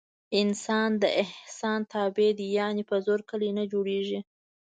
انسان د احسان تابع دی. یعنې په زور کلي نه جوړېږي.